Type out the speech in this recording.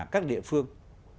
các địa phương